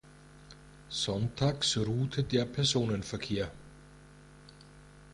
Sonntags ruhte der Personenverkehr.